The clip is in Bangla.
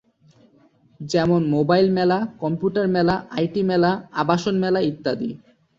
যেমন মোবাইল মেলা, কম্পিউটার মেলা, আইটি মেলা, আবাসন মেলা ইত্যাদি।